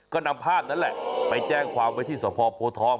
ก็นำภาพนั้นแหละไปแจ้งความไว้ที่สภโพทอง